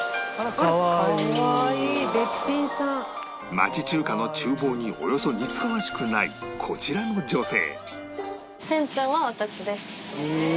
町中華の厨房におよそ似つかわしくないこちらの女性